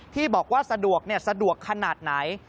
ที่บอกว่าสะดวกสะดวกขนาดไหน